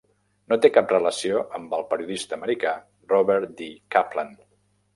No té cap relació amb el periodista americà Robert D. Kaplan.